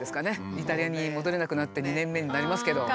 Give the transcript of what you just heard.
イタリアに戻れなくなって２年目になりますけど。